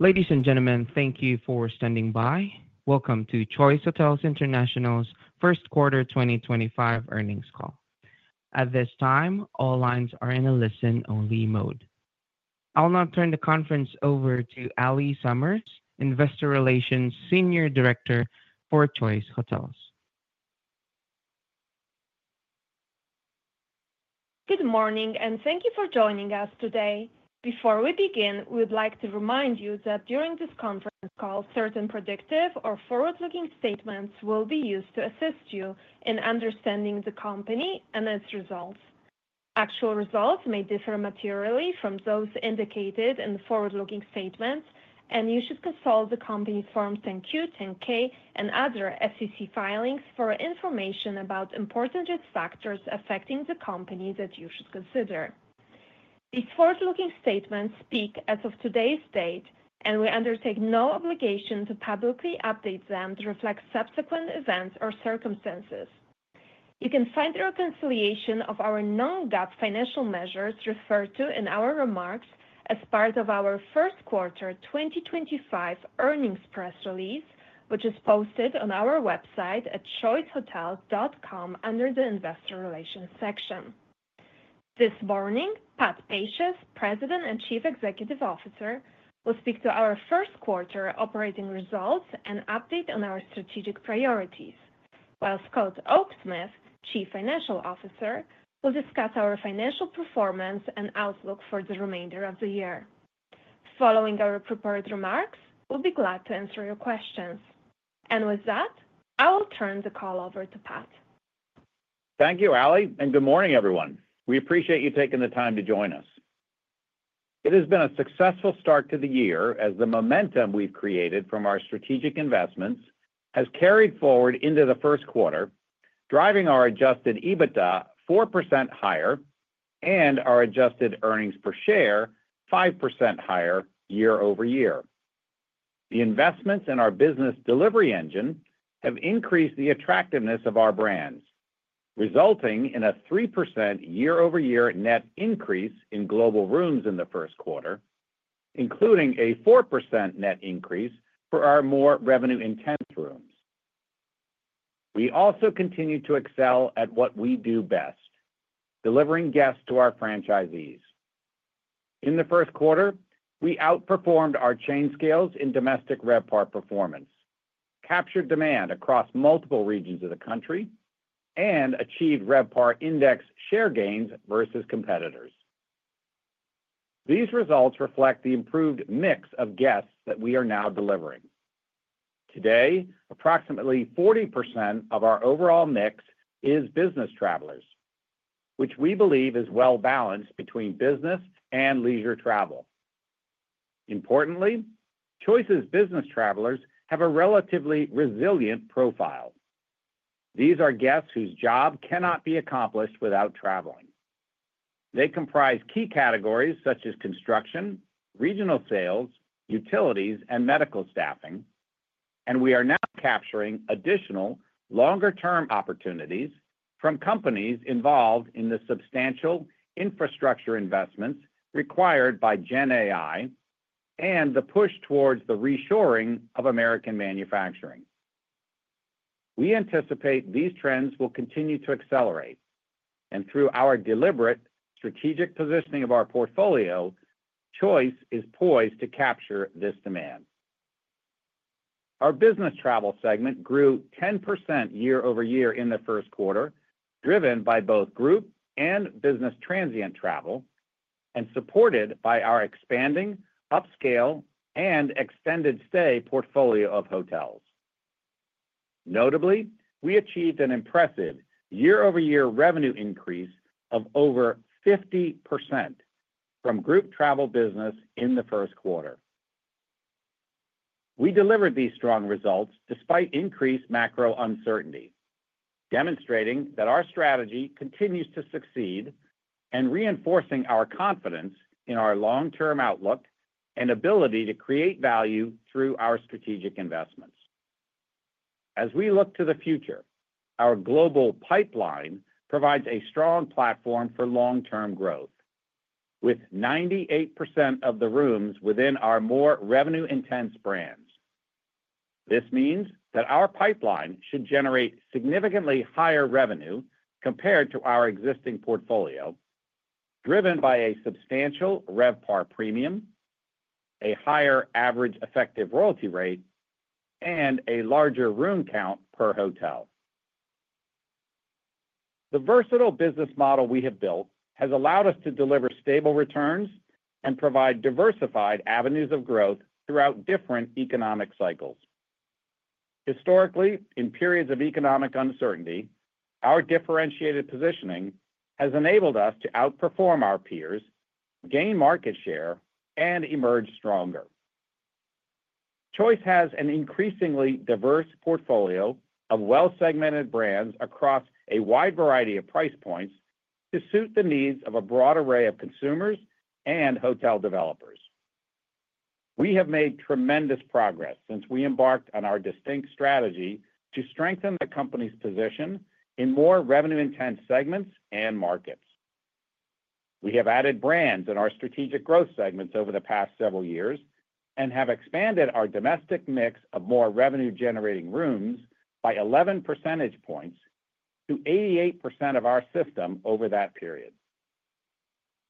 Ladies and gentlemen, thank you for standing by. Welcome to Choice Hotels International's first quarter 2025 earnings call. At this time, all lines are in a listen-only mode. I'll now turn the conference over to Allie Summers, Investor Relations Senior Director for Choice Hotels. Good morning, and thank you for joining us today. Before we begin, we'd like to remind you that during this conference call, certain predictive or forward-looking statements will be used to assist you in understanding the company and its results. Actual results may differ materially from those indicated in the forward-looking statements, and you should consult the company's Forms NQ, 10-K, and other SEC filings for information about important risk factors affecting the company that you should consider. These forward-looking statements speak as of today's date, and we undertake no obligation to publicly update them to reflect subsequent events or circumstances. You can find the reconciliation of our non-GAAP financial measures referred to in our remarks as part of our first quarter 2025 earnings press release, which is posted on our website at choicehotels.com under the Investor Relations section. This morning, Pat Pacious, President and Chief Executive Officer, will speak to our first quarter operating results and update on our strategic priorities, while Scott Oaksmith, Chief Financial Officer, will discuss our financial performance and outlook for the remainder of the year. Following our prepared remarks, we'll be glad to answer your questions. I will turn the call over to Pat. Thank you, Allie, and good morning, everyone. We appreciate you taking the time to join us. It has been a successful start to the year as the momentum we've created from our strategic investments has carried forward into the first quarter, driving our adjusted EBITDA 4% higher and our adjusted earnings per share 5% higher year-over-year. The investments in our business delivery engine have increased the attractiveness of our brands, resulting in a 3% year-over-year net increase in global rooms in the first quarter, including a 4% net increase for our more revenue-intense rooms. We also continue to excel at what we do best: delivering guests to our franchisees. In the first quarter, we outperformed our chain scales in domestic RevPAR performance, captured demand across multiple regions of the country, and achieved RevPAR index share gains versus competitors. These results reflect the improved mix of guests that we are now delivering. Today, approximately 40% of our overall mix is business travelers, which we believe is well-balanced between business and leisure travel. Importantly, Choice's business travelers have a relatively resilient profile. These are guests whose job cannot be accomplished without traveling. They comprise key categories such as construction, regional sales, utilities, and medical staffing, and we are now capturing additional longer-term opportunities from companies involved in the substantial infrastructure investments required by GenAI and the push towards the reshoring of American manufacturing. We anticipate these trends will continue to accelerate, and through our deliberate strategic positioning of our portfolio, Choice is poised to capture this demand. Our business travel segment grew 10% year-over-year in the first quarter, driven by both group and business transient travel and supported by our expanding, upscale, and extended-stay portfolio of hotels. Notably, we achieved an impressive year-over-year revenue increase of over 50% from group travel business in the first quarter. We delivered these strong results despite increased macro uncertainty, demonstrating that our strategy continues to succeed and reinforcing our confidence in our long-term outlook and ability to create value through our strategic investments. As we look to the future, our global pipeline provides a strong platform for long-term growth, with 98% of the rooms within our more revenue-intense brands. This means that our pipeline should generate significantly higher revenue compared to our existing portfolio, driven by a substantial RevPAR premium, a higher average Effective Royalty Rate, and a larger room count per hotel. The versatile business model we have built has allowed us to deliver stable returns and provide diversified avenues of growth throughout different economic cycles. Historically, in periods of economic uncertainty, our differentiated positioning has enabled us to outperform our peers, gain market share, and emerge stronger. Choice has an increasingly diverse portfolio of well-segmented brands across a wide variety of price points to suit the needs of a broad array of consumers and hotel developers. We have made tremendous progress since we embarked on our distinct strategy to strengthen the company's position in more revenue-intense segments and markets. We have added brands in our strategic growth segments over the past several years and have expanded our domestic mix of more revenue-generating rooms by 11 percentage points to 88% of our system over that period.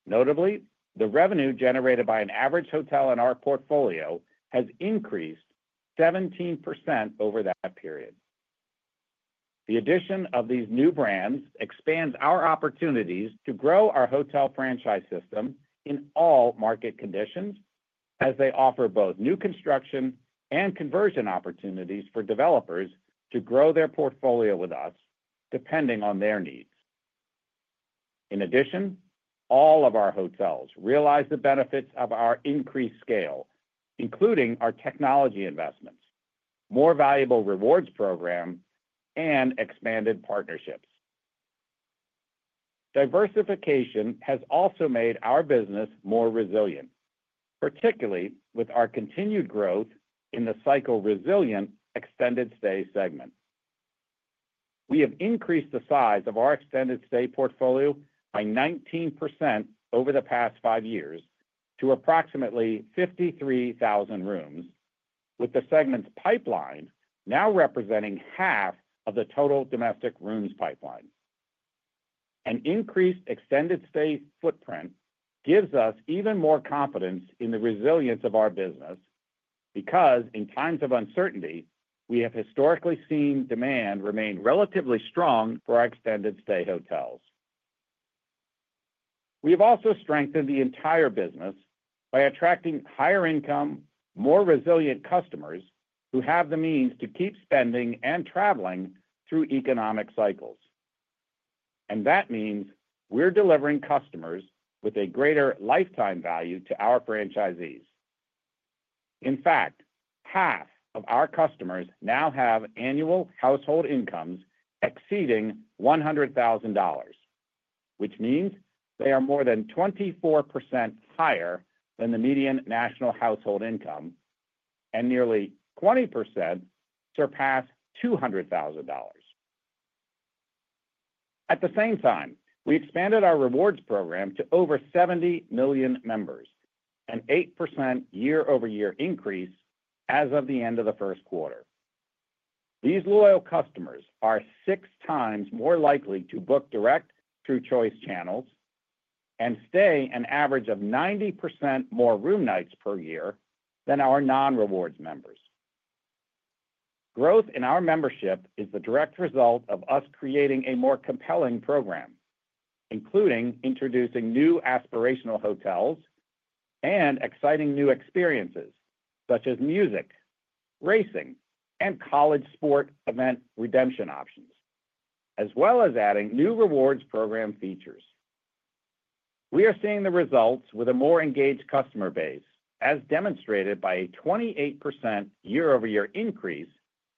Notably, the revenue generated by an average hotel in our portfolio has increased 17% over that period. The addition of these new brands expands our opportunities to grow our hotel franchise system in all market conditions, as they offer both new construction and conversion opportunities for developers to grow their portfolio with us, depending on their needs. In addition, all of our hotels realize the benefits of our increased scale, including our technology investments, more valuable rewards program, and expanded partnerships. Diversification has also made our business more resilient, particularly with our continued growth in the cycle-resilient extended-stay segment. We have increased the size of our extended-stay portfolio by 19% over the past five years to approximately 53,000 rooms, with the segment's pipeline now representing half of the total domestic rooms pipeline. An increased extended-stay footprint gives us even more confidence in the resilience of our business because, in times of uncertainty, we have historically seen demand remain relatively strong for our extended-stay hotels. We have also strengthened the entire business by attracting higher-income, more resilient customers who have the means to keep spending and traveling through economic cycles. That means we're delivering customers with a greater lifetime value to our franchisees. In fact, half of our customers now have annual household incomes exceeding $100,000, which means they are more than 24% higher than the median national household income and nearly 20% surpass $200,000. At the same time, we expanded our rewards program to over 70 million members, an 8% year-over-year increase as of the end of the first quarter. These loyal customers are six times more likely to book direct through Choice channels and stay an average of 90% more room nights per year than our non-rewards members. Growth in our membership is the direct result of us creating a more compelling program, including introducing new aspirational hotels and exciting new experiences such as music, racing, and college sport event redemption options, as well as adding new rewards program features. We are seeing the results with a more engaged customer base, as demonstrated by a 28% year-over-year increase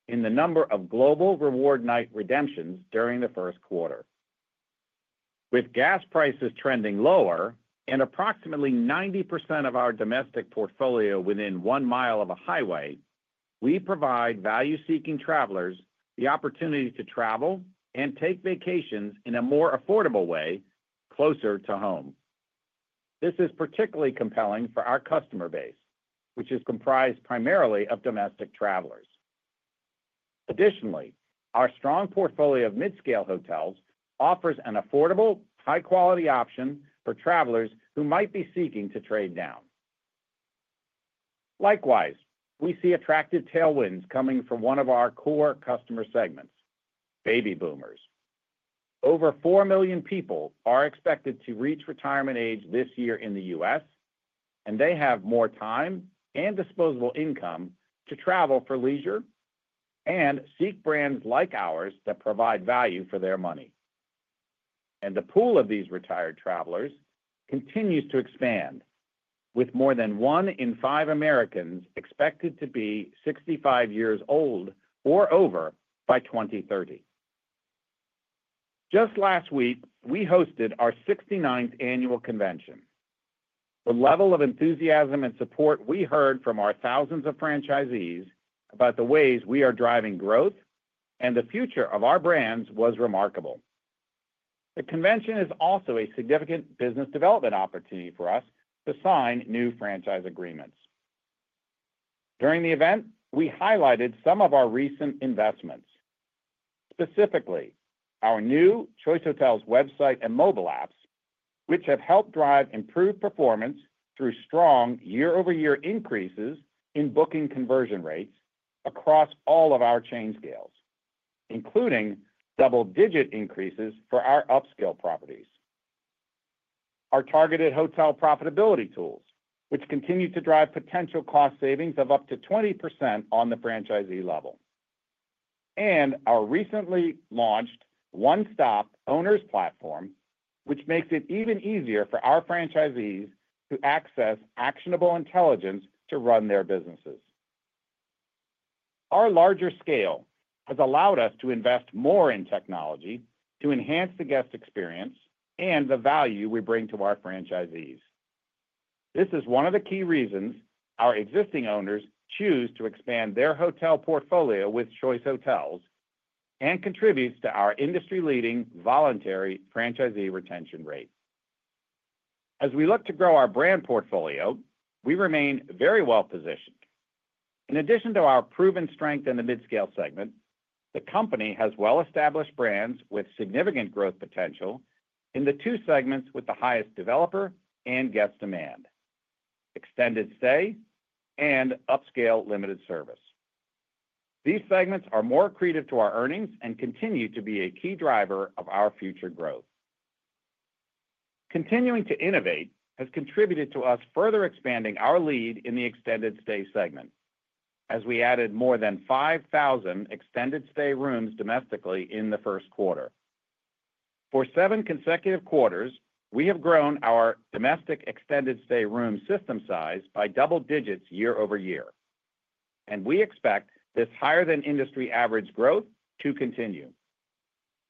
in the number of global reward night redemptions during the first quarter. With gas prices trending lower and approximately 90% of our domestic portfolio within one mile of a highway, we provide value-seeking travelers the opportunity to travel and take vacations in a more affordable way closer to home. This is particularly compelling for our customer base, which is comprised primarily of domestic travelers. Additionally, our strong portfolio of mid-scale hotels offers an affordable, high-quality option for travelers who might be seeking to trade down. Likewise, we see attractive tailwinds coming from one of our core customer segments: baby boomers. Over 4 million people are expected to reach retirement age this year in the U.S., and they have more time and disposable income to travel for leisure and seek brands like ours that provide value for their money. The pool of these retired travelers continues to expand, with more than one in five Americans expected to be 65 years old or over by 2030. Just last week, we hosted our 69th annual convention. The level of enthusiasm and support we heard from our thousands of franchisees about the ways we are driving growth and the future of our brands was remarkable. The convention is also a significant business development opportunity for us to sign new franchise agreements. During the event, we highlighted some of our recent investments, specifically our new Choice Hotels website and mobile apps, which have helped drive improved performance through strong year-over-year increases in booking conversion rates across all of our chain scales, including double-digit increases for our upscale properties. Our targeted hotel profitability tools, which continue to drive potential cost savings of up to 20% on the franchisee level, and our recently launched One Stop Owners platform, which makes it even easier for our franchisees to access actionable intelligence to run their businesses. Our larger scale has allowed us to invest more in technology to enhance the guest experience and the value we bring to our franchisees. This is one of the key reasons our existing owners choose to expand their hotel portfolio with Choice Hotels and contributes to our industry-leading voluntary franchisee retention rate. As we look to grow our brand portfolio, we remain very well-positioned. In addition to our proven strength in the mid-scale segment, the company has well-established brands with significant growth potential in the two segments with the highest developer and guest demand: extended stay and upscale limited service. These segments are more accretive to our earnings and continue to be a key driver of our future growth. Continuing to innovate has contributed to us further expanding our lead in the extended stay segment, as we added more than 5,000 extended stay rooms domestically in the first quarter. For seven consecutive quarters, we have grown our domestic extended stay room system size by double digits year-over-year, and we expect this higher-than-industry average growth to continue.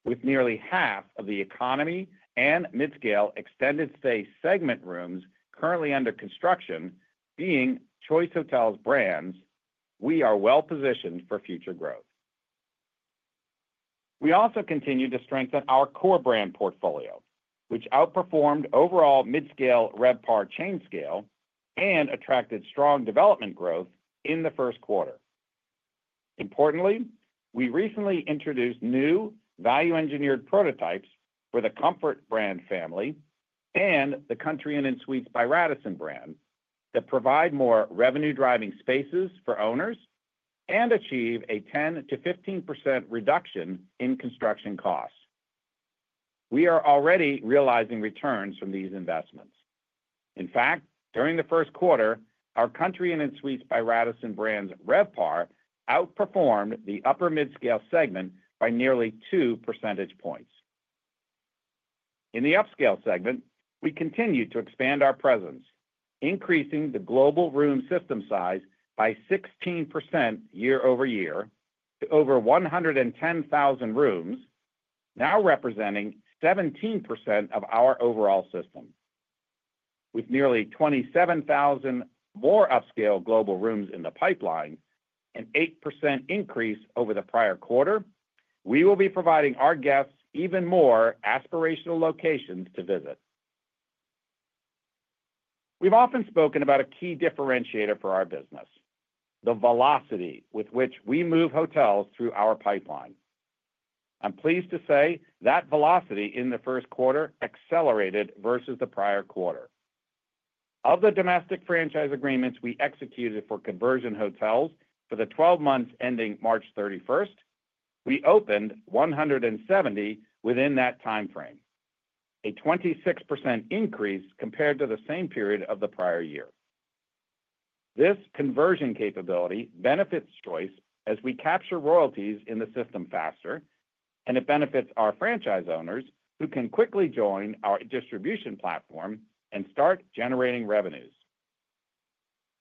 With nearly half of the economy and mid-scale extended stay segment rooms currently under construction being Choice Hotels brands, we are well-positioned for future growth. We also continue to strengthen our core brand portfolio, which outperformed overall mid-scale RevPAR chain scale and attracted strong development growth in the first quarter. Importantly, we recently introduced new value-engineered prototypes for the Comfort brand family and the Country Inn & Suites by Radisson brand that provide more revenue-driving spaces for owners and achieve a 10%-15% reduction in construction costs. We are already realizing returns from these investments. In fact, during the first quarter, our Country Inn & Suites by Radisson brand's RevPAR outperformed the upper mid-scale segment by nearly 2 percentage points. In the upscale segment, we continue to expand our presence, increasing the global room system size by 16% year-over-year to over 110,000 rooms, now representing 17% of our overall system. With nearly 27,000 more upscale global rooms in the pipeline, an 8% increase over the prior quarter, we will be providing our guests even more aspirational locations to visit. We've often spoken about a key differentiator for our business: the velocity with which we move hotels through our pipeline. I'm pleased to say that velocity in the first quarter accelerated versus the prior quarter. Of the domestic franchise agreements we executed for conversion hotels for the 12 months ending March 31, we opened 170 within that timeframe, a 26% increase compared to the same period of the prior year. This conversion capability benefits Choice as we capture royalties in the system faster, and it benefits our franchise owners who can quickly join our distribution platform and start generating revenues.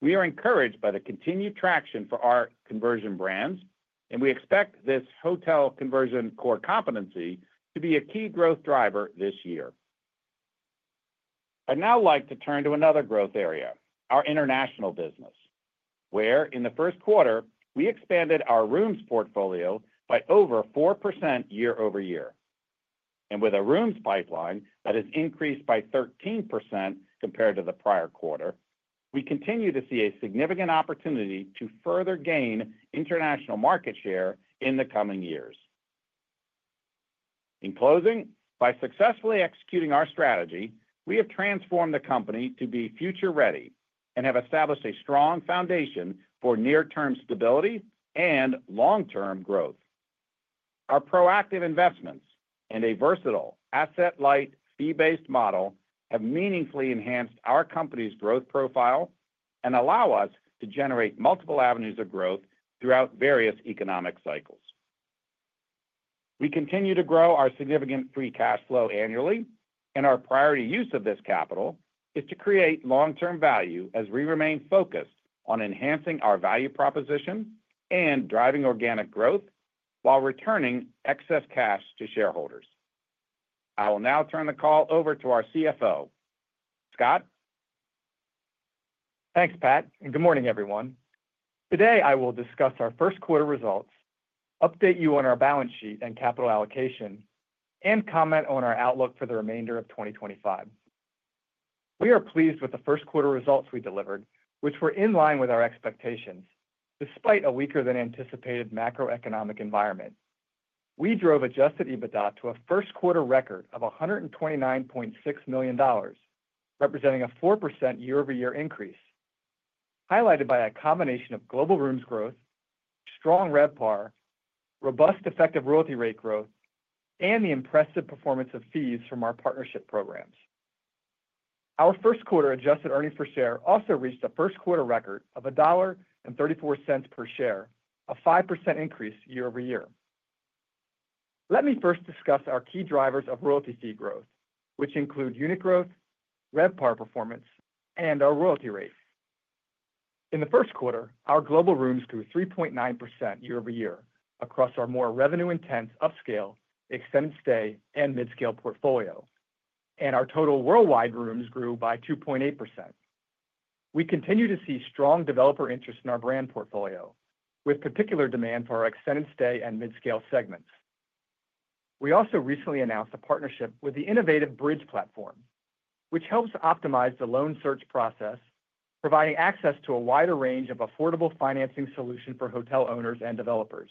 We are encouraged by the continued traction for our conversion brands, and we expect this hotel conversion core competency to be a key growth driver this year. I'd now like to turn to another growth area: our international business, where in the first quarter, we expanded our rooms portfolio by over 4% year-over-year. With a rooms pipeline that has increased by 13% compared to the prior quarter, we continue to see a significant opportunity to further gain international market share in the coming years. In closing, by successfully executing our strategy, we have transformed the company to be future-ready and have established a strong foundation for near-term stability and long-term growth. Our proactive investments and a versatile asset-light fee-based model have meaningfully enhanced our company's growth profile and allow us to generate multiple avenues of growth throughout various economic cycles. We continue to grow our significant free cash flow annually, and our priority use of this capital is to create long-term value as we remain focused on enhancing our value proposition and driving organic growth while returning excess cash to shareholders. I will now turn the call over to our CFO, Scott. Thanks, Pat. Good morning, everyone. Today, I will discuss our first quarter results, update you on our balance sheet and capital allocation, and comment on our outlook for the remainder of 2025. We are pleased with the first quarter results we delivered, which were in line with our expectations despite a weaker-than-anticipated macroeconomic environment. We drove adjusted EBITDA to a first quarter record of $129.6 million, representing a 4% year-over-year increase, highlighted by a combination of global rooms growth, strong RevPAR, robust effective royalty rate growth, and the impressive performance of fees from our partnership programs. Our first quarter adjusted earnings per share also reached a first quarter record of $1.34 per share, a 5% increase year-over-year. Let me first discuss our key drivers of royalty fee growth, which include unit growth, RevPAR performance, and our royalty rates. In the first quarter, our global rooms grew 3.9% year-over-year across our more revenue-intense upscale, extended stay, and mid-scale portfolio, and our total worldwide rooms grew by 2.8%. We continue to see strong developer interest in our brand portfolio, with particular demand for our extended stay and mid-scale segments. We also recently announced a partnership with the Innovative Bridge platform, which helps optimize the loan search process, providing access to a wider range of affordable financing solutions for hotel owners and developers.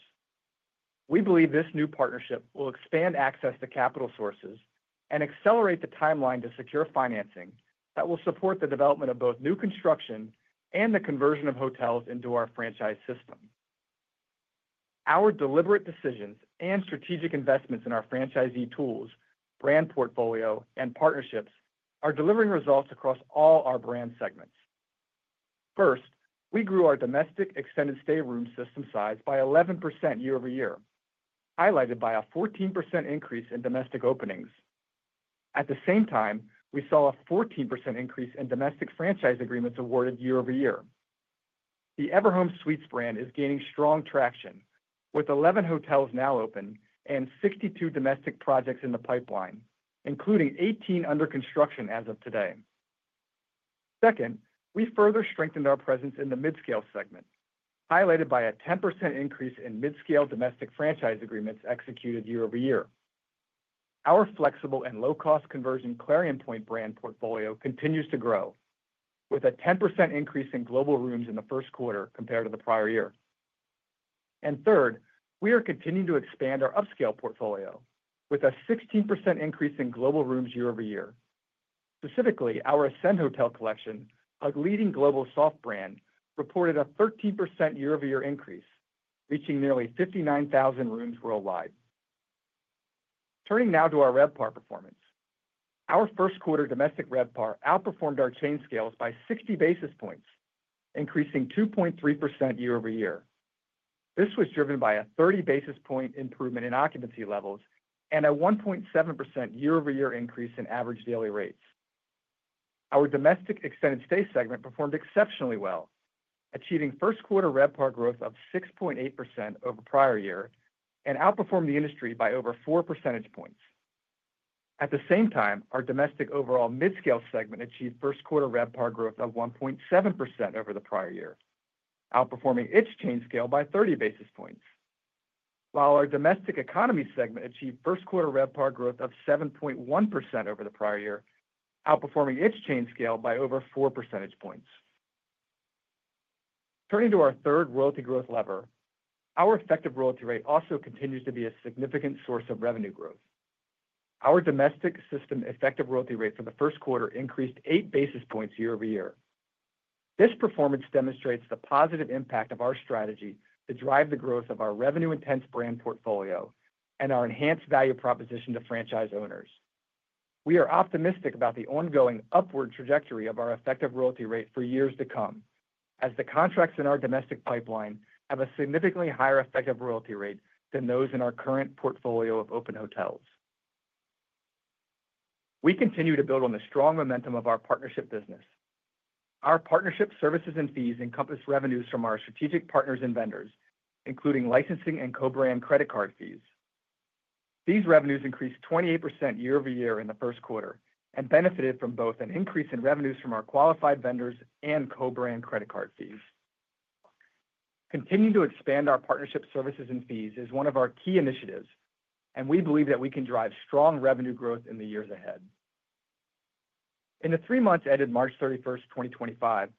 We believe this new partnership will expand access to capital sources and accelerate the timeline to secure financing that will support the development of both new construction and the conversion of hotels into our franchise system. Our deliberate decisions and strategic investments in our franchisee tools, brand portfolio, and partnerships are delivering results across all our brand segments. First, we grew our domestic extended stay room system size by 11% year-over-year, highlighted by a 14% increase in domestic openings. At the same time, we saw a 14% increase in domestic franchise agreements awarded year-over-year. The EverHome Suites brand is gaining strong traction, with 11 hotels now open and 62 domestic projects in the pipeline, including 18 under construction as of today. Second, we further strengthened our presence in the mid-scale segment, highlighted by a 10% increase in mid-scale domestic franchise agreements executed year-over-year. Our flexible and low-cost conversion Clarion Pointe brand portfolio continues to grow, with a 10% increase in global rooms in the first quarter compared to the prior year. Third, we are continuing to expand our upscale portfolio, with a 16% increase in global rooms year-over-year. Specifically, our Ascend Hotel Collection, a leading global soft brand, reported a 13% year-over-year increase, reaching nearly 59,000 rooms worldwide. Turning now to our RevPAR performance, our first quarter domestic RevPAR outperformed our chain scales by 60 basis points, increasing 2.3% year-over-year. This was driven by a 30 basis point improvement in occupancy levels and a 1.7% year-over-year increase in average daily rates. Our domestic extended stay segment performed exceptionally well, achieving first quarter RevPAR growth of 6.8% over prior year and outperformed the industry by over 4 percentage points. At the same time, our domestic overall mid-scale segment achieved first quarter RevPAR growth of 1.7% over the prior year, outperforming its chain scale by 30 basis points. While our domestic economy segment achieved first quarter RevPAR growth of 7.1% over the prior year, outperforming its chain scale by over 4 percentage points. Turning to our third royalty growth lever, our effective royalty rate also continues to be a significant source of revenue growth. Our domestic system effective royalty rate for the first quarter increased 8 basis points year-over-year. This performance demonstrates the positive impact of our strategy to drive the growth of our revenue-intense brand portfolio and our enhanced value proposition to franchise owners. We are optimistic about the ongoing upward trajectory of our effective royalty rate for years to come, as the contracts in our domestic pipeline have a significantly higher effective royalty rate than those in our current portfolio of open hotels. We continue to build on the strong momentum of our partnership business. Our partnership services and fees encompass revenues from our strategic partners and vendors, including licensing and co-brand credit card fees. These revenues increased 28% year-over-year in the first quarter and benefited from both an increase in revenues from our qualified vendors and co-brand credit card fees. Continuing to expand our partnership services and fees is one of our key initiatives, and we believe that we can drive strong revenue growth in the years ahead. In the three months ended March 31, 2025,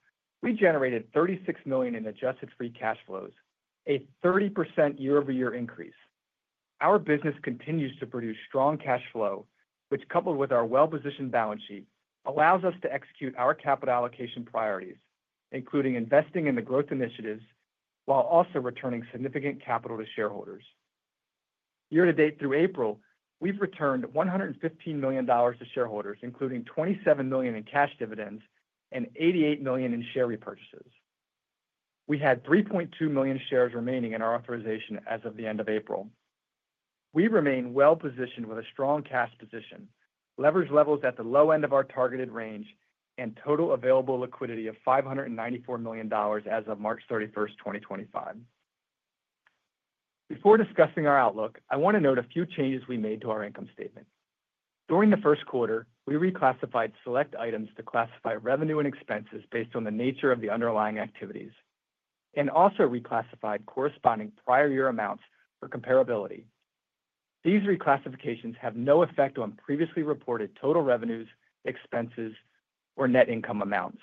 we generated $36 million in adjusted free cash flows, a 30% year-over-year increase. Our business continues to produce strong cash flow, which, coupled with our well-positioned balance sheet, allows us to execute our capital allocation priorities, including investing in the growth initiatives while also returning significant capital to shareholders. Year-to-date through April, we've returned $115 million to shareholders, including $27 million in cash dividends and $88 million in share repurchases. We had 3.2 million shares remaining in our authorization as of the end of April. We remain well-positioned with a strong cash position, leverage levels at the low end of our targeted range, and total available liquidity of $594 million as of March 31, 2025. Before discussing our outlook, I want to note a few changes we made to our income statement. During the first quarter, we reclassified select items to classify revenue and expenses based on the nature of the underlying activities and also reclassified corresponding prior year amounts for comparability. These reclassifications have no effect on previously reported total revenues, expenses, or net income amounts.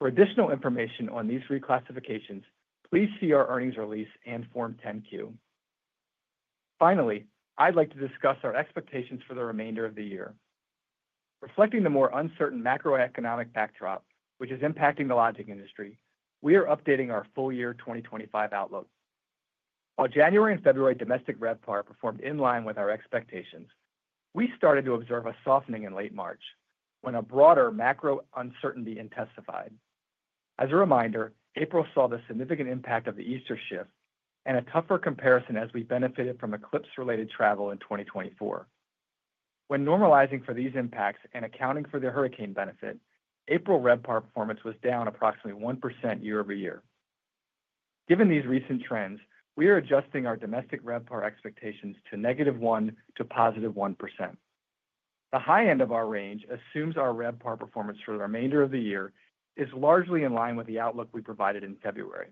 For additional information on these reclassifications, please see our earnings release and Form 10-Q. Finally, I'd like to discuss our expectations for the remainder of the year. Reflecting the more uncertain macroeconomic backdrop, which is impacting the lodging industry, we are updating our full year 2025 outlook. While January and February domestic RevPAR performed in line with our expectations, we started to observe a softening in late March when a broader macro uncertainty intensified. As a reminder, April saw the significant impact of the Easter shift and a tougher comparison as we benefited from eclipse-related travel in 2024. When normalizing for these impacts and accounting for the hurricane benefit, April RevPAR performance was down approximately 1% year-over-year. Given these recent trends, we are adjusting our domestic RevPAR expectations to negative 1% to positive 1%. The high end of our range assumes our RevPAR performance for the remainder of the year is largely in line with the outlook we provided in February.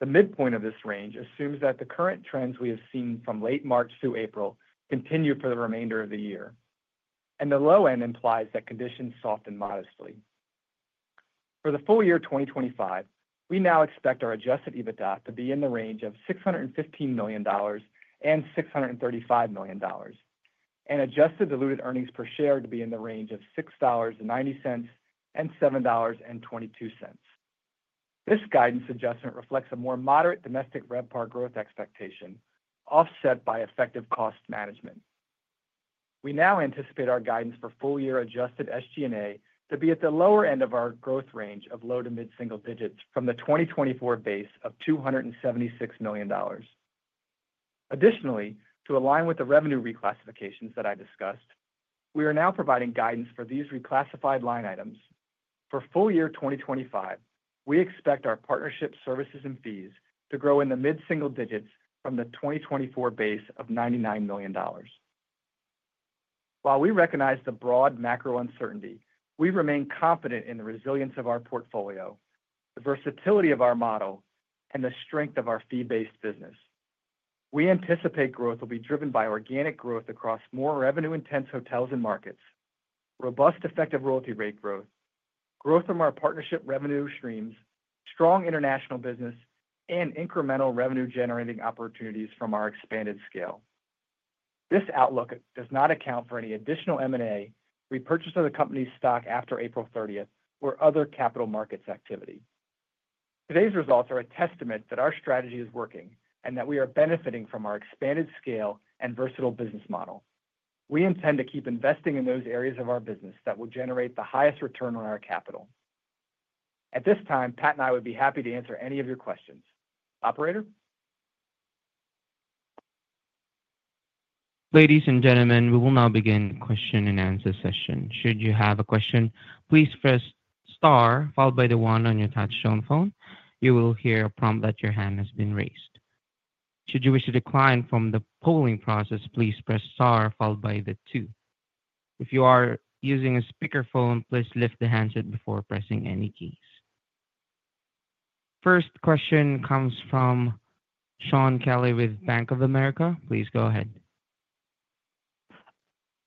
The midpoint of this range assumes that the current trends we have seen from late March through April continue for the remainder of the year, and the low end implies that conditions soften modestly. For the full year 2025, we now expect our adjusted EBITDA to be in the range of $615 million-$635 million, and adjusted diluted earnings per share to be in the range of $6.90-$7.22. This guidance adjustment reflects a more moderate domestic RevPAR growth expectation, offset by effective cost management. We now anticipate our guidance for full year adjusted SG&A to be at the lower end of our growth range of low to mid-single digits from the 2024 base of $276 million. Additionally, to align with the revenue reclassifications that I discussed, we are now providing guidance for these reclassified line items. For full year 2025, we expect our partnership services and fees to grow in the mid-single digits from the 2024 base of $99 million. While we recognize the broad macro uncertainty, we remain confident in the resilience of our portfolio, the versatility of our model, and the strength of our fee-based business. We anticipate growth will be driven by organic growth across more revenue-intense hotels and markets, robust effective royalty rate growth, growth from our partnership revenue streams, strong international business, and incremental revenue-generating opportunities from our expanded scale. This outlook does not account for any additional M&A, repurchase of the company's stock after April 30, or other capital markets activity. Today's results are a testament that our strategy is working and that we are benefiting from our expanded scale and versatile business model. We intend to keep investing in those areas of our business that will generate the highest return on our capital. At this time, Pat and I would be happy to answer any of your questions. Operator? Ladies and gentlemen, we will now begin the question and answer session. Should you have a question, please press Star, followed by the one on your touch-tone phone. You will hear a prompt that your hand has been raised. Should you wish to decline from the polling process, please press Star, followed by the two. If you are using a speakerphone, please lift the handset before pressing any keys. First question comes from Shaun Kelley with Bank of America. Please go ahead.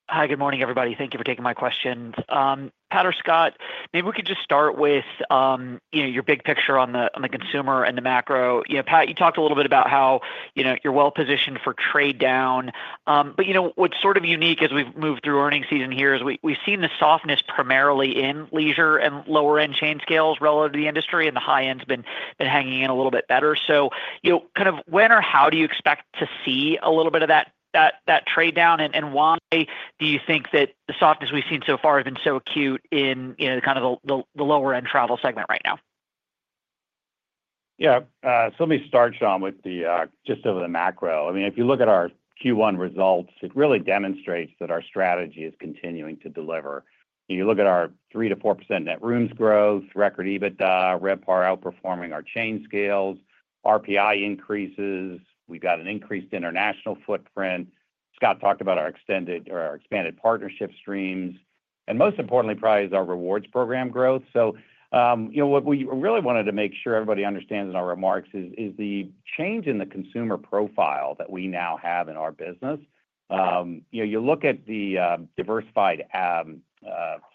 Hi, good morning, everybody. Thank you for taking my questions. Pat or Scott, maybe we could just start with your big picture on the consumer and the macro. Pat, you talked a little bit about how you're well-positioned for trade down. What's sort of unique as we've moved through earnings season here is we've seen the softness primarily in leisure and lower-end chain scales relative to the industry, and the high-end has been hanging in a little bit better. Kind of when or how do you expect to see a little bit of that trade down, and why do you think that the softness we've seen so far has been so acute in kind of the lower-end travel segment right now? Yeah. Let me start, Shaun, with just over the macro. I mean, if you look at our Q1 results, it really demonstrates that our strategy is continuing to deliver. You look at our 3-4% net rooms growth, record EBITDA, RevPAR outperforming our chain scales, RPI increases. We've got an increased international footprint. Scott talked about our expanded partnership streams. Most importantly, probably is our rewards program growth. What we really wanted to make sure everybody understands in our remarks is the change in the consumer profile that we now have in our business. You look at the diversified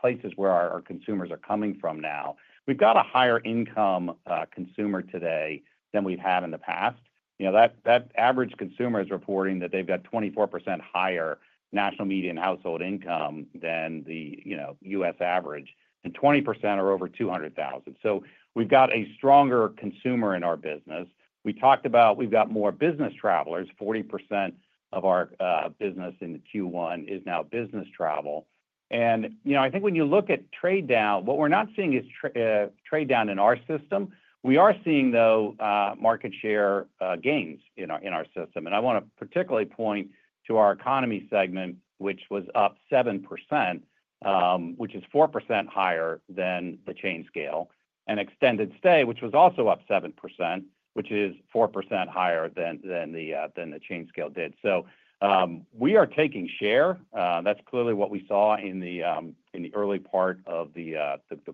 places where our consumers are coming from now. We've got a higher income consumer today than we've had in the past. That average consumer is reporting that they've got 24% higher national median household income than the U.S. average, and 20% are over $200,000. We've got a stronger consumer in our business. We talked about we've got more business travelers. 40% of our business in Q1 is now business travel. I think when you look at trade down, what we're not seeing is trade down in our system. We are seeing, though, market share gains in our system. I want to particularly point to our economy segment, which was up 7%, which is 4% higher than the chain scale, and extended stay, which was also up 7%, which is 4% higher than the chain scale did. We are taking share. That's clearly what we saw in the early part of the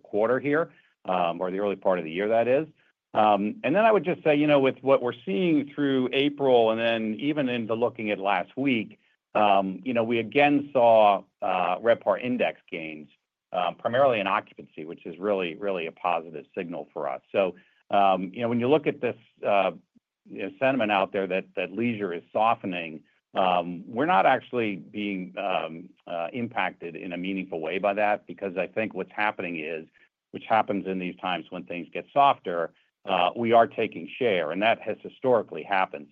quarter here, or the early part of the year, that is. I would just say, with what we're seeing through April, and then even in the looking at last week, we again saw RevPAR index gains, primarily in occupancy, which is really a positive signal for us. When you look at this sentiment out there that leisure is softening, we're not actually being impacted in a meaningful way by that, because I think what's happening is, which happens in these times when things get softer, we are taking share, and that has historically happened.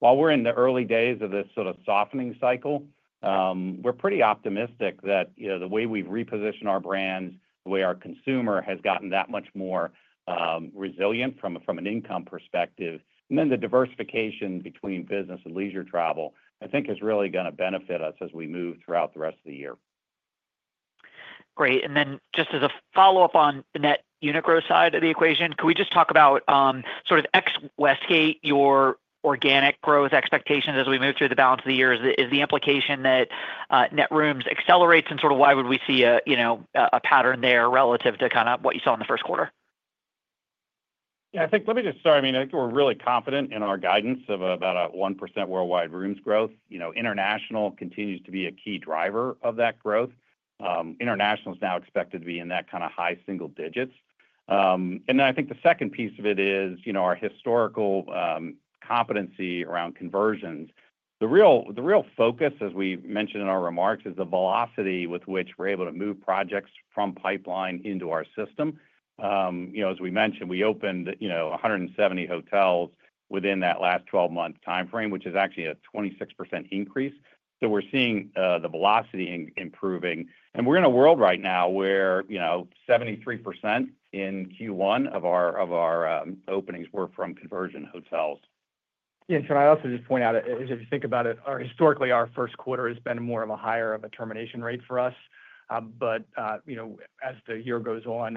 While we're in the early days of this sort of softening cycle, we're pretty optimistic that the way we've repositioned our brands, the way our consumer has gotten that much more resilient from an income perspective, and then the diversification between business and leisure travel, I think is really going to benefit us as we move throughout the rest of the year. Great. And then just as a follow-up on the net unit growth side of the equation, could we just talk about sort of ex-Westgate your organic growth expectations as we move through the balance of the year? Is the implication that net rooms accelerates, and sort of why would we see a pattern there relative to kind of what you saw in the first quarter? Yeah, I think let me just start. I mean, I think we're really confident in our guidance of about a 1% worldwide rooms growth. International continues to be a key driver of that growth. International is now expected to be in that kind of high single digits. And then I think the second piece of it is our historical competency around conversions. The real focus, as we mentioned in our remarks, is the velocity with which we're able to move projects from pipeline into our system. As we mentioned, we opened 170 hotels within that last 12-month timeframe, which is actually a 26% increase. We're seeing the velocity improving. We're in a world right now where 73% in Q1 of our openings were from conversion hotels. Yeah. Can I also just point out, as you think about it, historically, our first quarter has been more of a higher of a termination rate for us. As the year goes on,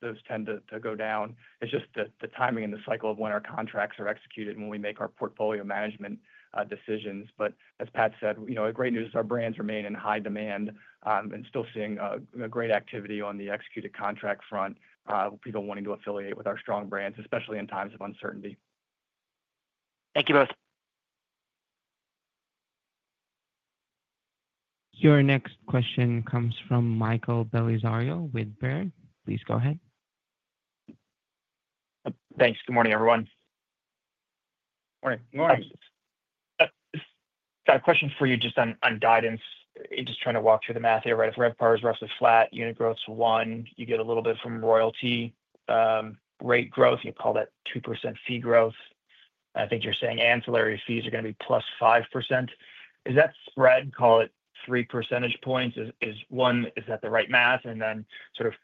those tend to go down. It's just the timing and the cycle of when our contracts are executed when we make our portfolio management decisions. As Pat said, the great news is our brands remain in high demand and still seeing great activity on the executed contract front, people wanting to affiliate with our strong brands, especially in times of uncertainty. Thank you both. Your next question comes from Michael Bellisario with Baird. Please go ahead. Thanks. Good morning, everyone. Morning. Good morning. Got a question for you just on guidance. Just trying to walk through the math here. RevPAR is roughly flat. Unit growth's one. You get a little bit from royalty rate growth. You call that 2% fee growth. I think you're saying ancillary fees are going to be plus 5%. Is that spread, call it 3 percentage points, is one, is that the right math? And then sort of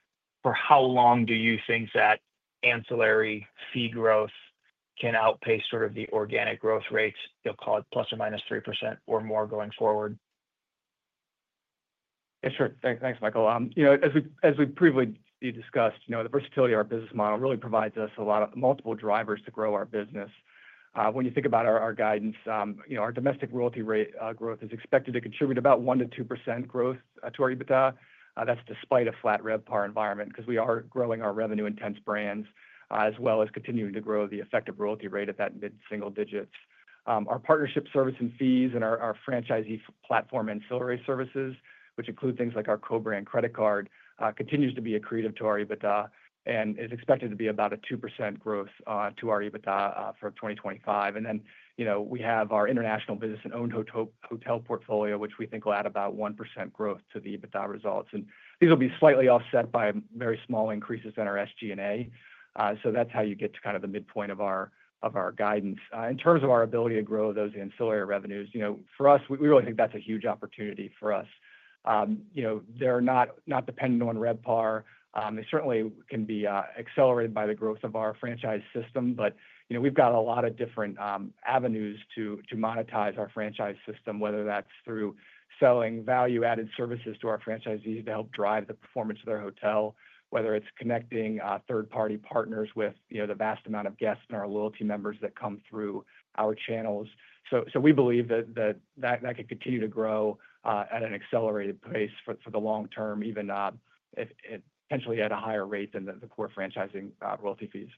for how long do you think that ancillary fee growth can outpace sort of the organic growth rates? You'll call it plus or minus 3% or more going forward? Yes, sir. Thanks, Michael. As we previously discussed, the versatility of our business model really provides us a lot of multiple drivers to grow our business. When you think about our guidance, our domestic royalty rate growth is expected to contribute about 1-2% growth to our EBITDA. That's despite a flat RevPAR environment because we are growing our revenue-intense brands as well as continuing to grow the effective royalty rate at that mid-single digits. Our partnership service and fees and our franchisee platform ancillary services, which include things like our co-brand credit card, continues to be accretive to our EBITDA and is expected to be about a 2% growth to our EBITDA for 2025. We have our international business and owned hotel portfolio, which we think will add about 1% growth to the EBITDA results. These will be slightly offset by very small increases in our SG&A. That is how you get to kind of the midpoint of our guidance. In terms of our ability to grow those ancillary revenues, for us, we really think that is a huge opportunity for us. They are not dependent on RevPAR. They certainly can be accelerated by the growth of our franchise system, but we have got a lot of different avenues to monetize our franchise system, whether that is through selling value-added services to our franchisees to help drive the performance of their hotel, whether it is connecting third-party partners with the vast amount of guests and our loyalty members that come through our channels. We believe that that could continue to grow at an accelerated pace for the long term, even potentially at a higher rate than the core franchising royalty fees.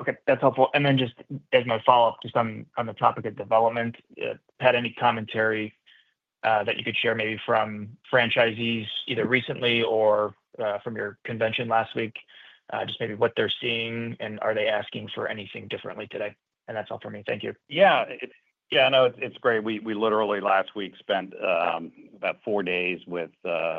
Okay. That's helpful. Just as my follow-up, just on the topic of development, Pat, any commentary that you could share maybe from franchisees either recently or from your convention last week, just maybe what they're seeing, and are they asking for anything differently today? That's all for me. Thank you. Yeah. No, it's great. We literally last week spent about four days with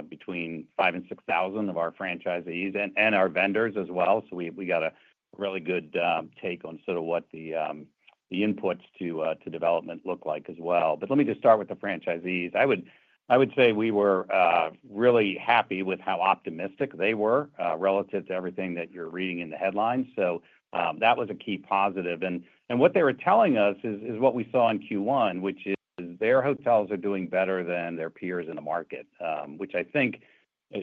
between 5,000 and 6,000 of our franchisees and our vendors as well. We got a really good take on sort of what the inputs to development look like as well. Let me just start with the franchisees. I would say we were really happy with how optimistic they were relative to everything that you're reading in the headlines. That was a key positive. What they were telling us is what we saw in Q1, which is their hotels are doing better than their peers in the market, which I think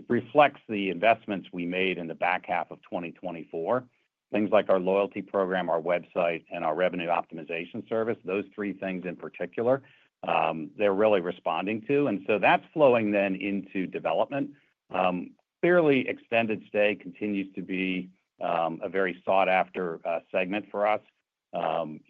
reflects the investments we made in the back half of 2024. Things like our loyalty program, our website, and our revenue optimization service, those three things in particular, they're really responding to. That is flowing then into development. Clearly, extended stay continues to be a very sought-after segment for us.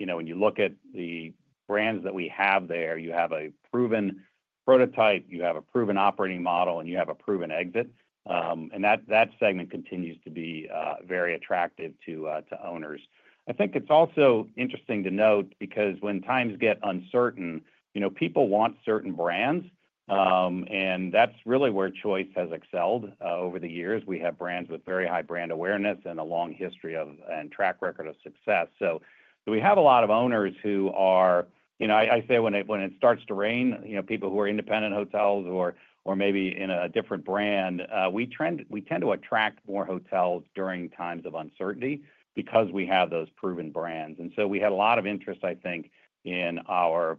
When you look at the brands that we have there, you have a proven prototype, you have a proven operating model, and you have a proven exit. That segment continues to be very attractive to owners. I think it's also interesting to note because when times get uncertain, people want certain brands, and that's really where Choice has excelled over the years. We have brands with very high brand awareness and a long history and track record of success. We have a lot of owners who are—I say when it starts to rain, people who are independent hotels or maybe in a different brand, we tend to attract more hotels during times of uncertainty because we have those proven brands. We had a lot of interest, I think, in our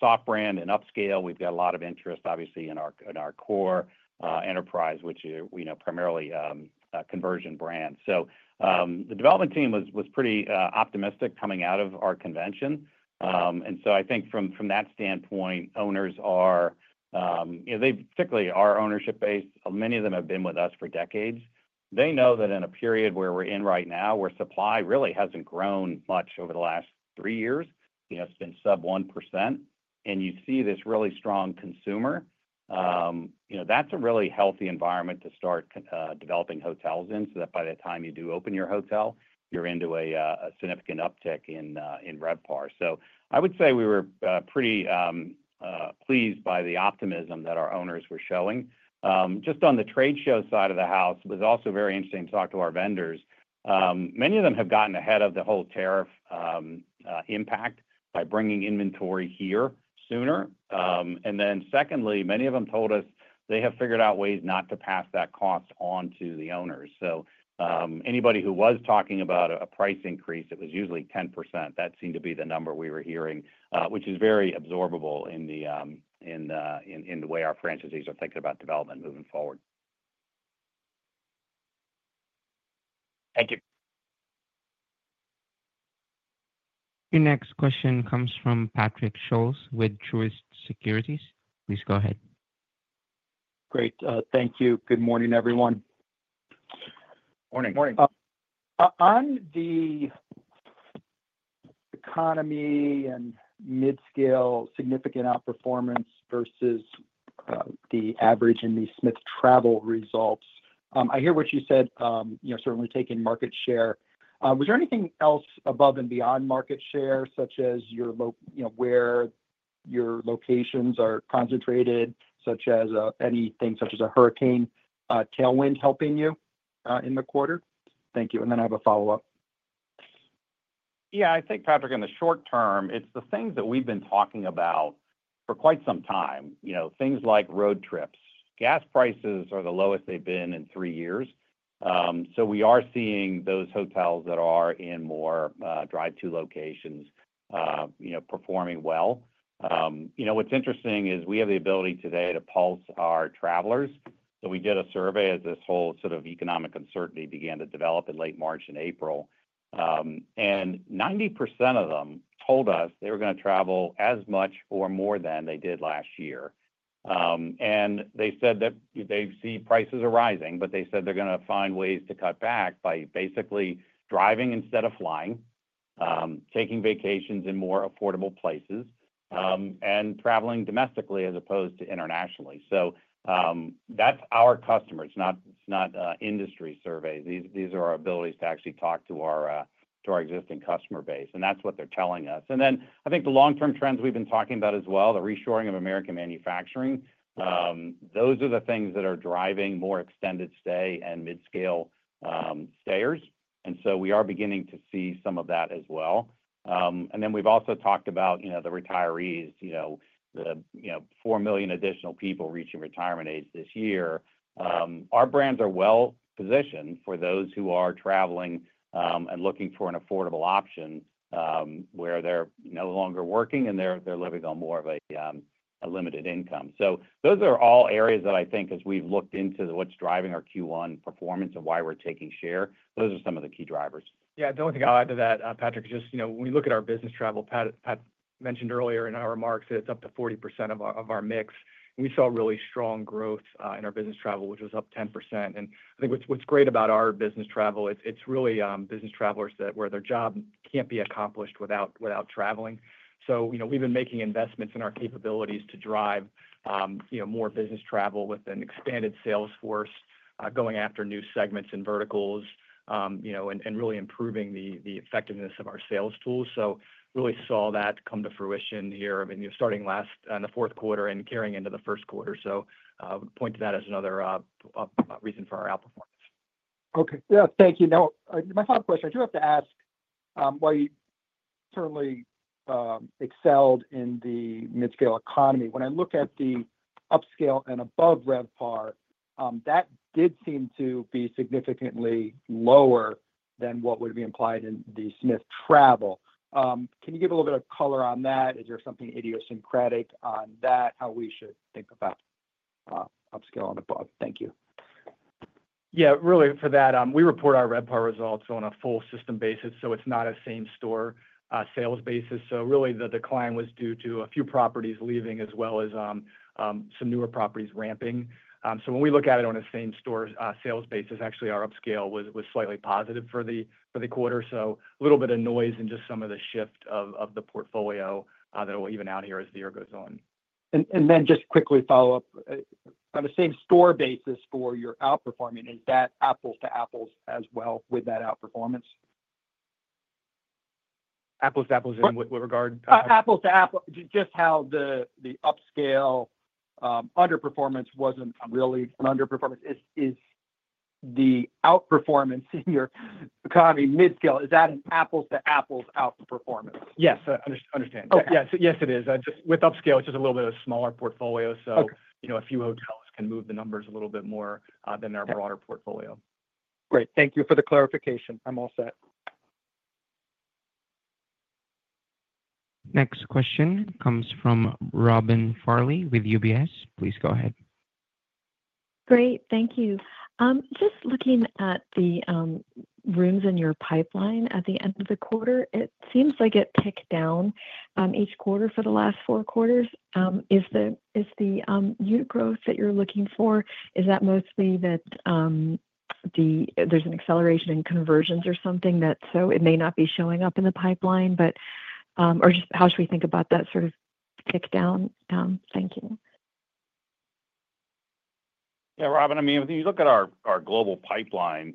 soft brand and upscale. We've got a lot of interest, obviously, in our core enterprise, which is primarily a conversion brand. The development team was pretty optimistic coming out of our convention. I think from that standpoint, owners are—they particularly are ownership-based. Many of them have been with us for decades. They know that in a period where we're in right now, where supply really hasn't grown much over the last three years, it's been sub 1%, and you see this really strong consumer, that's a really healthy environment to start developing hotels in so that by the time you do open your hotel, you're into a significant uptick in RevPAR. I would say we were pretty pleased by the optimism that our owners were showing. Just on the trade show side of the house, it was also very interesting to talk to our vendors. Many of them have gotten ahead of the whole tariff impact by bringing inventory here sooner. Secondly, many of them told us they have figured out ways not to pass that cost on to the owners. So anybody who was talking about a price increase, it was usually 10%. That seemed to be the number we were hearing, which is very absorbable in the way our franchisees are thinking about development moving forward. Thank you. Your next question comes from Patrick Scholes with Truist Securities. Please go ahead. Great. Thank you. Good morning, everyone. Morning. Morning. On the economy and mid-scale significant outperformance versus the average in the Smith Travel Research results, I hear what you said, certainly taking market share. Was there anything else above and beyond market share, such as where your locations are concentrated, such as anything such as a hurricane tailwind helping you in the quarter? Thank you. And then I have a follow-up. Yeah. I think, Patrick, in the short term, it's the things that we've been talking about for quite some time, things like road trips. Gas prices are the lowest they've been in three years. We are seeing those hotels that are in more drive-through locations performing well. What's interesting is we have the ability today to pulse our travelers. We did a survey as this whole sort of economic uncertainty began to develop in late March and April. 90% of them told us they were going to travel as much or more than they did last year. They said that they see prices are rising, but they said they're going to find ways to cut back by basically driving instead of flying, taking vacations in more affordable places, and traveling domestically as opposed to internationally. That's our customers. It's not industry surveys. These are our abilities to actually talk to our existing customer base. That's what they're telling us. I think the long-term trends we've been talking about as well, the reshoring of American manufacturing, those are the things that are driving more extended stay and mid-scale stayers. We are beginning to see some of that as well. We've also talked about the retirees, the 4 million additional people reaching retirement age this year. Our brands are well-positioned for those who are traveling and looking for an affordable option where they're no longer working and they're living on more of a limited income. Those are all areas that I think, as we've looked into what's driving our Q1 performance and why we're taking share, those are some of the key drivers. Yeah. The only thing I'll add to that, Patrick, is just when we look at our business travel, Pat mentioned earlier in our remarks that it's up to 40% of our mix. We saw really strong growth in our business travel, which was up 10%. I think what's great about our business travel, it's really business travelers where their job can't be accomplished without traveling. We've been making investments in our capabilities to drive more business travel with an expanded sales force, going after new segments and verticals, and really improving the effectiveness of our sales tools. We really saw that come to fruition here, starting last in the fourth quarter and carrying into the first quarter. I point to that as another reason for our outperformance. Okay. Yeah. Thank you. Now, my follow-up question, I do have to ask, while you certainly excelled in the mid-scale economy, when I look at the upscale and above RevPAR, that did seem to be significantly lower than what would be implied in the Smith Travel. Can you give a little bit of color on that? Is there something idiosyncratic on that, how we should think about upscale and above? Thank you. Yeah. Really, for that, we report our RevPAR results on a full system basis. It is not a same-store sales basis. Really, the decline was due to a few properties leaving as well as some newer properties ramping. When we look at it on a same-store sales basis, actually, our upscale was slightly positive for the quarter. A little bit of noise and just some of the shift of the portfolio that will even out here as the year goes on. Just quickly, follow up. On the same-store basis for your outperforming, is that apples to apples as well with that outperformance? Apples to apples in what regard? Apples to apples. Just how the upscale underperformance was not really an underperformance. Is the outperformance in your economy mid-scale, is that an apples to apples outperformance? Yes. I understand. Yes, it is. Just with upscale, it is just a little bit of a smaller portfolio. A few hotels can move the numbers a little bit more than our broader portfolio. Great. Thank you for the clarification. I am all set. Next question comes from Robin Farley with UBS. Please go ahead. Great. Thank you. Just looking at the rooms in your pipeline at the end of the quarter, it seems like it ticked down each quarter for the last four quarters. Is the unit growth that you're looking for, is that mostly that there's an acceleration in conversions or something that it may not be showing up in the pipeline, or just how should we think about that sort of tick down? Thank you. Yeah. Robin, I mean, when you look at our global pipeline,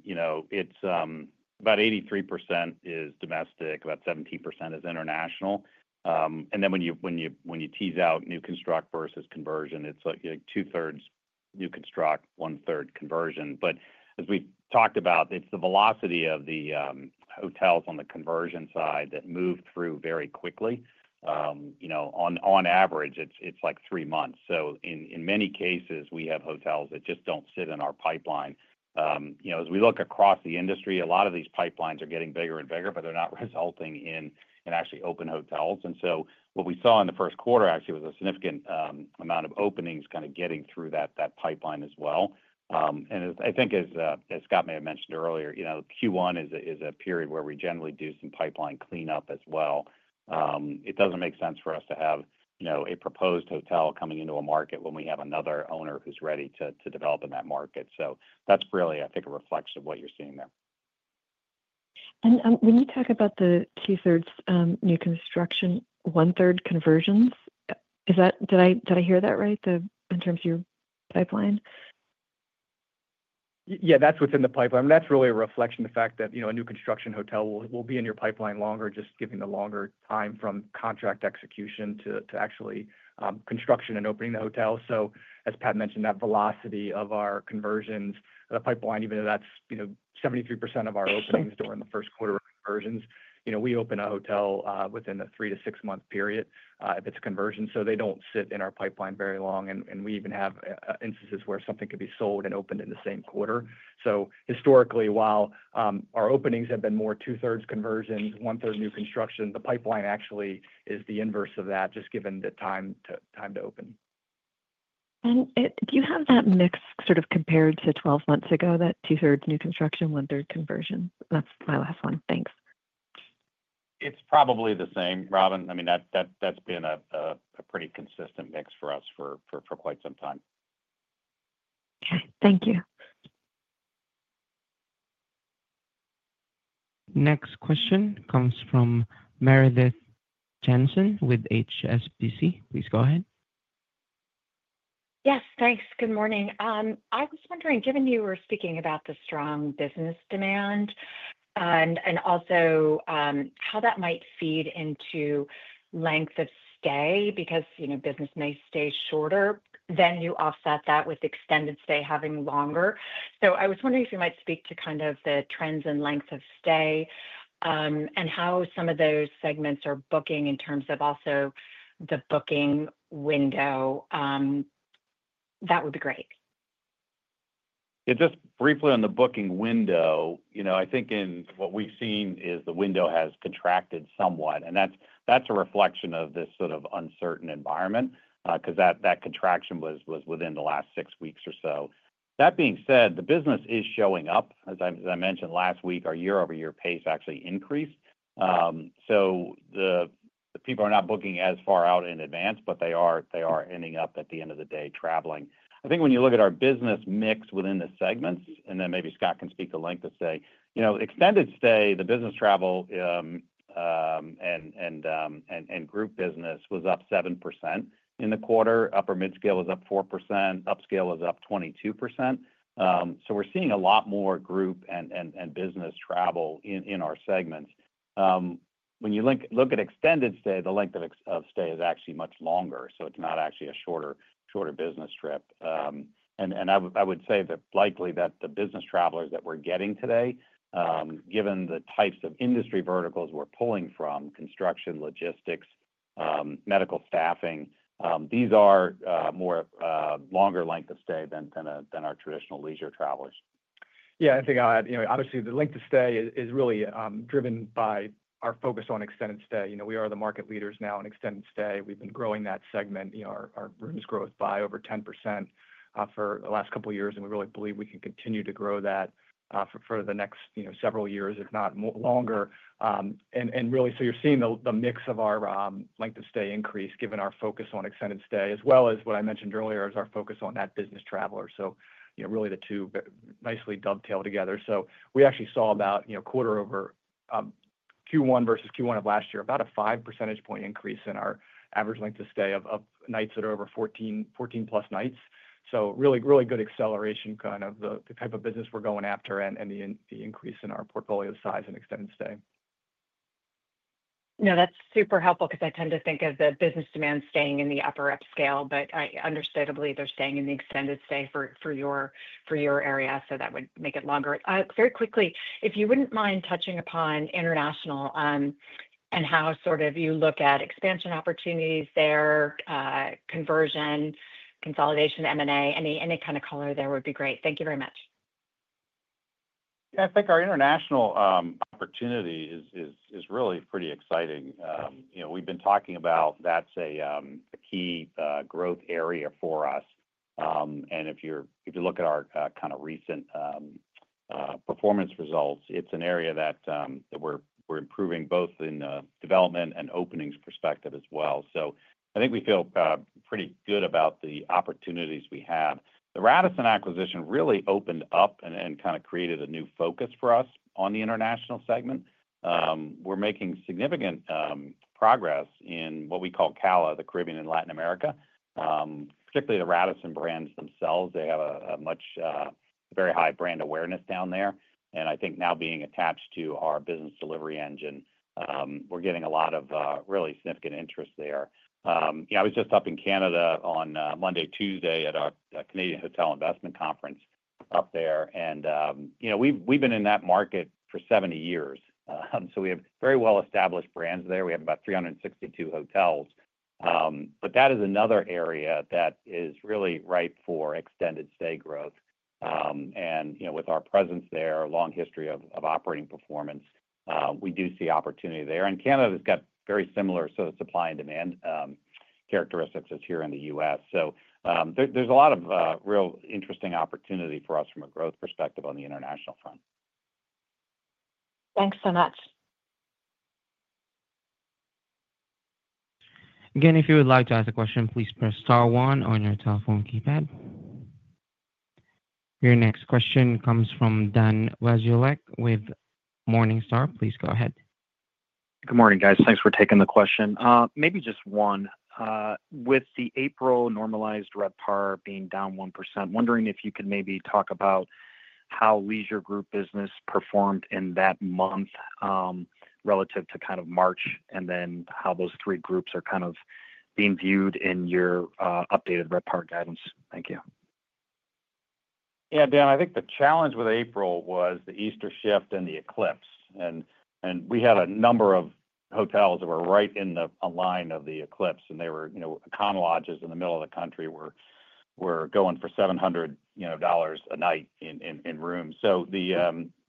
about 83% is domestic, about 17% is international. And then when you tease out new construct versus conversion, it's like two-thirds new construct, one-third conversion. As we've talked about, it's the velocity of the hotels on the conversion side that move through very quickly. On average, it's like three months. In many cases, we have hotels that just don't sit in our pipeline. As we look across the industry, a lot of these pipelines are getting bigger and bigger, but they're not resulting in actually open hotels. What we saw in the first quarter, actually, was a significant amount of openings kind of getting through that pipeline as well. I think, as Scott may have mentioned earlier, Q1 is a period where we generally do some pipeline cleanup as well. It does not make sense for us to have a proposed hotel coming into a market when we have another owner who's ready to develop in that market. That is really, I think, a reflection of what you're seeing there. When you talk about the two-thirds new construction, one-third conversions, did I hear that right in terms of your pipeline? Yeah. That is within the pipeline. That's really a reflection of the fact that a new construction hotel will be in your pipeline longer, just given the longer time from contract execution to actually construction and opening the hotel. As Pat mentioned, that velocity of our conversions in the pipeline, even though that's 73% of our openings during the first quarter are conversions, we open a hotel within a three- to six-month period if it's a conversion. They don't sit in our pipeline very long. We even have instances where something could be sold and opened in the same quarter. Historically, while our openings have been more two-thirds conversions, one-third new construction, the pipeline actually is the inverse of that, just given the time to open. Do you have that mix sort of compared to 12 months ago, that two-thirds new construction, one-third conversion? That's my last one. Thanks. It's probably the same, Robin. I mean, that's been a pretty consistent mix for us for quite some time. Okay. Thank you. Next question comes from Meredith Jensen with HSBC. Please go ahead. Yes. Thanks. Good morning. I was wondering, given you were speaking about the strong business demand and also how that might feed into length of stay, because business may stay shorter, then you offset that with extended stay having longer. So I was wondering if you might speak to kind of the trends in length of stay and how some of those segments are booking in terms of also the booking window. That would be great. Yeah. Just briefly on the booking window, I think what we've seen is the window has contracted somewhat. And that's a reflection of this sort of uncertain environment because that contraction was within the last six weeks or so. That being said, the business is showing up. As I mentioned last week, our year-over-year pace actually increased. The people are not booking as far out in advance, but they are ending up at the end of the day traveling. I think when you look at our business mix within the segments, and then maybe Scott can speak at length to, say, extended stay, the business travel and group business was up 7% in the quarter. Upper mid-scale was up 4%. Upscale was up 22%. We are seeing a lot more group and business travel in our segments. When you look at extended stay, the length of stay is actually much longer. It is not actually a shorter business trip. I would say that likely the business travelers that we're getting today, given the types of industry verticals we're pulling from, construction, logistics, medical staffing, these are more longer length of stay than our traditional leisure travelers. Yeah. I think I'll add, obviously, the length of stay is really driven by our focus on extended stay. We are the market leaders now in extended stay. We've been growing that segment, our rooms growth, by over 10% for the last couple of years. We really believe we can continue to grow that for the next several years, if not longer. Really, you're seeing the mix of our length of stay increase, given our focus on extended stay, as well as what I mentioned earlier is our focus on that business traveler. The two nicely dovetail together. We actually saw about quarter over Q1 versus Q1 of last year, about a 5 percentage point increase in our average length of stay of nights that are over 14-plus nights. Really, really good acceleration, kind of the type of business we're going after and the increase in our portfolio size and extended stay. No, that's super helpful because I tend to think of the business demand staying in the upper upscale. But understandably, they're staying in the extended stay for your area. That would make it longer. Very quickly, if you wouldn't mind touching upon international and how sort of you look at expansion opportunities there, conversion, consolidation, M&A, any kind of color there would be great. Thank you very much. Yeah. I think our international opportunity is really pretty exciting. We've been talking about that's a key growth area for us. If you look at our kind of recent performance results, it's an area that we're improving both in the development and openings perspective as well. I think we feel pretty good about the opportunities we have. The Radisson acquisition really opened up and kind of created a new focus for us on the international segment. We're making significant progress in what we call CALA, the Caribbean and Latin America, particularly the Radisson brands themselves. They have a very high brand awareness down there. I think now being attached to our business delivery engine, we're getting a lot of really significant interest there. I was just up in Canada on Monday, Tuesday at our Canadian Hotel Investment Conference up there. We've been in that market for 70 years. We have very well-established brands there. We have about 362 hotels. That is another area that is really ripe for extended stay growth. With our presence there, our long history of operating performance, we do see opportunity there. Canada has got very similar sort of supply and demand characteristics as here in the U.S. There is a lot of real interesting opportunity for us from a growth perspective on the international front. Thanks so much. Again, if you would like to ask a question, please press star one on your telephone keypad. Your next question comes from Dan Wasiolek with Morningstar. Please go ahead. Good morning, guys. Thanks for taking the question. Maybe just one. With the April normalized RevPAR being down 1%, wondering if you could maybe talk about how leisure group business performed in that month relative to kind of March and then how those three groups are kind of being viewed in your updated RevPAR guidance. Thank you. Yeah. Dan, I think the challenge with April was the Easter shift and the eclipse. We had a number of hotels that were right in the line of the eclipse. They were con lodges in the middle of the country going for $700 a night in rooms.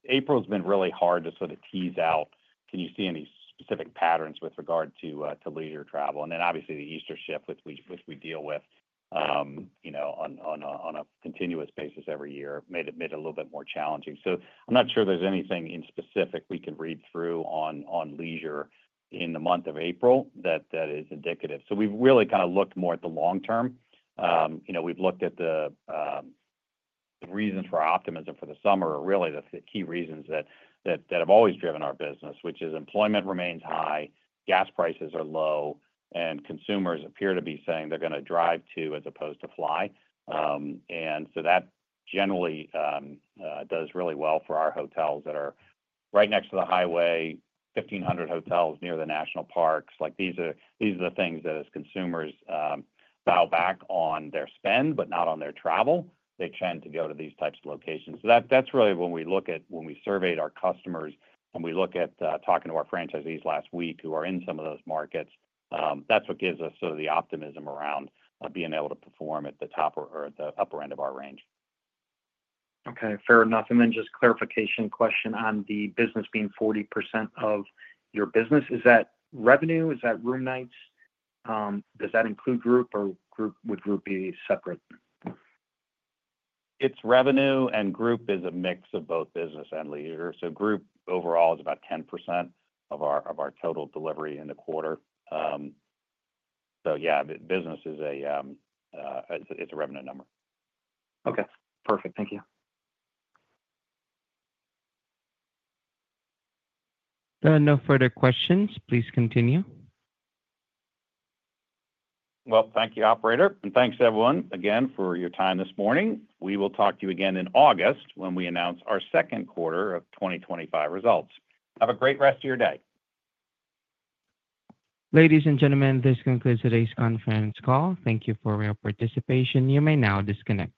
April has been really hard to sort of tease out, can you see any specific patterns with regard to leisure travel? Obviously, the Easter shift, which we deal with on a continuous basis every year, made it a little bit more challenging. I'm not sure there's anything in specific we can read through on leisure in the month of April that is indicative. We've really kind of looked more at the long term. We've looked at the reasons for optimism for the summer are really the key reasons that have always driven our business, which is employment remains high, gas prices are low, and consumers appear to be saying they're going to drive to as opposed to fly. That generally does really well for our hotels that are right next to the highway, 1,500 hotels near the national parks. These are the things that, as consumers bow back on their spend, but not on their travel, they tend to go to these types of locations. That is really when we look at when we surveyed our customers and we look at talking to our franchisees last week who are in some of those markets, that is what gives us sort of the optimism around being able to perform at the top or at the upper end of our range. Okay. Fair enough. And then just clarification question on the business being 40% of your business. Is that revenue? Is that room nights? Does that include group, or would group be separate? It is revenue, and group is a mix of both business and leisure. Group overall is about 10% of our total delivery in the quarter. So yeah, business is a revenue number. Okay. Perfect. Thank you. No further questions. Please continue. Thank you, operator. Thanks, everyone, again for your time this morning. We will talk to you again in August when we announce our second quarter 2025 results. Have a great rest of your day. Ladies and gentlemen, this concludes today's conference call. Thank you for your participation. You may now disconnect.